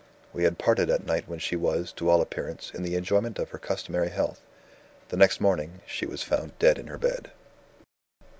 We had parted at night when she was, to all appearance, in the enjoyment of her customary health. The next morning, she was found dead in her bed."